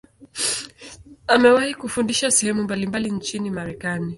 Amewahi kufundisha sehemu mbalimbali nchini Marekani.